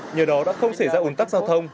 nhờ đó đã không xảy ra ủn tắc giao thông